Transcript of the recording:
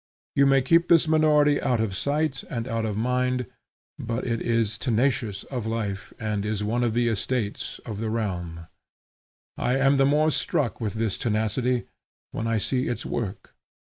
You may keep this minority out of sight and out of mind, but it is tenacious of life, and is one of the estates of the realm. I am the more struck with this tenacity, when I see its work.